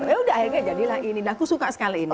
yaudah akhirnya jadilah ini nah aku suka sekali ini